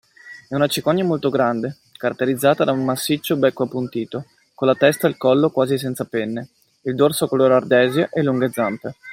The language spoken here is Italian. È una cicogna molto grande, caratterizzata da un massiccio becco appuntito, con la testa e il collo quasi senza penne, il dorso color ardesia e lunghe zampe.